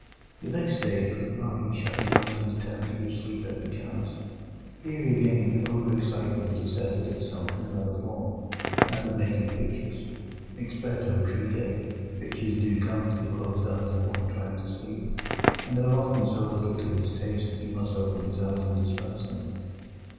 The next stage was that Parkins shut his eyes and determined to give sleep every chance. Here again over excitement asserted itself in another form—that of making pictures. Experto crede, pictures do come to the closed eyes of one trying to sleep, and are often so little to his taste that he must open his eyes and disperse them.